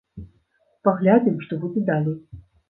Паглядзім, што будзе далей.